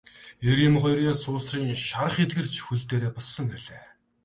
Эр эм хоёр суусрын шарх эдгэрч хөл дээрээ босон ирлээ.